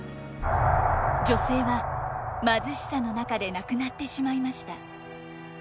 女性は貧しさの中で亡くなってしまいました。